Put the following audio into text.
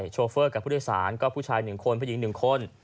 โชเฟอร์กับผู้โดยสารก็ผู้ชายหนึ่งคนผู้หญิงหนึ่งคน